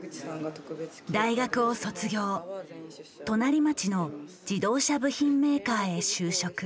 大学を卒業隣町の自動車部品メーカーへ就職。